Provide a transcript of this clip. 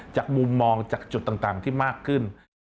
จากมุมมองจากจุดต่างที่มากขึ้น